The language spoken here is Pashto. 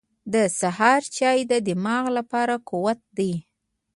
• د سهار چای د دماغ لپاره قوت دی.